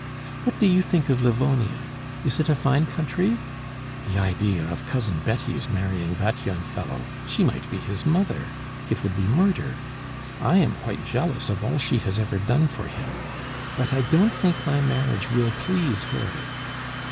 What do you think of Livonia? Is it a fine country? The idea of Cousin Betty's marrying that young fellow! She might be his mother. It would be murder! I am quite jealous of all she has ever done for him. But I don't think my marriage will please her."